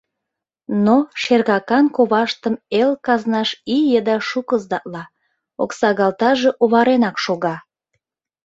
Но шергакан коваштым эл казнаш ий еда шуко сдатла, оксагалтаже оваренак шога.